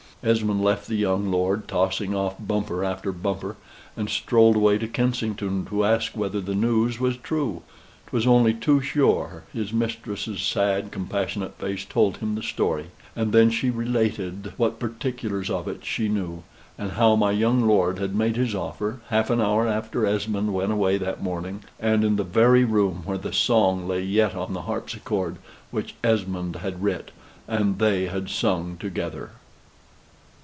Esmond left the young lord tossing off bumper after bumper, and strolled away to Kensington to ask whether the news was true. 'Twas only too sure: his mistress's sad, compassionate face told him the story; and then she related what particulars of it she knew, and how my young lord had made his offer, half an hour after Esmond went away that morning, and in the very room where the song lay yet on the harpsichord, which Esmond had writ, and they had sung together.